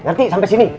ngerti sampai sini